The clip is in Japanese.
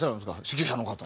指揮者の方。